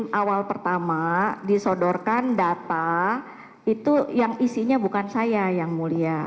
yang awal pertama disodorkan data itu yang isinya bukan saya yang mulia